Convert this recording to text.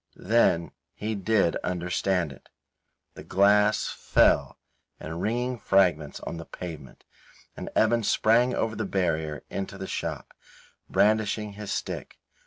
Then he did understand it. The glass fell in ringing fragments on to the pavement, and Evan sprang over the barrier into the shop, brandishing his stick.